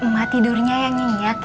mak tidurnya yang nyinyak ya